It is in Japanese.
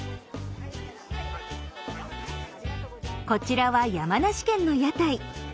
こちらは山梨県の屋台。